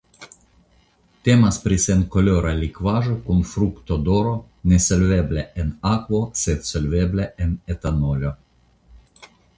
Temas pri senkolora likvaĵo kun fruktodoro nesolvebla en akvo sed solvebla en etanolo.